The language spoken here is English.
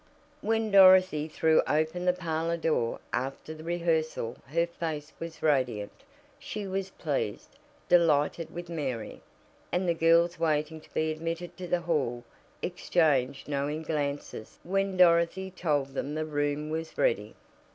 When Dorothy threw open the parlor door after the rehearsal her face was radiant. She was pleased delighted with Mary, and the girls waiting to be admitted to the "hall" exchanged knowing glances when Dorothy told them the room was ready.